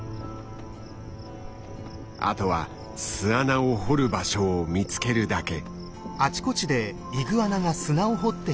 あとは巣穴を掘る場所を見つけるだけ。